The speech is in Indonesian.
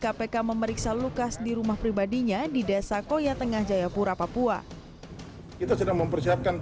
kpk memeriksa lukas di rumah pribadinya di desa koya tengah jayapura papua itu sudah mempersiapkan